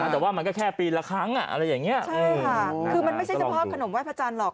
แต่ว่ามันก็แค่ปีละครั้งอะไรอย่างนี้ใช่ค่ะคือมันไม่ใช่เฉพาะขนมไห้พระจันทร์หรอก